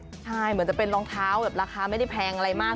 ใช่เหมือนจะเป็นรองเท้าแบบราคาไม่ได้แพงอะไรมาก